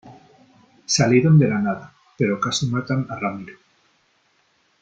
salieron de la nada , pero casi matan a Ramiro .